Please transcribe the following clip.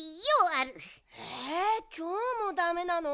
えきょうもダメなの？